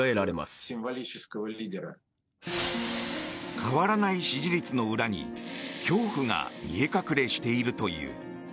変わらない支持率の裏に恐怖が見え隠れしているという。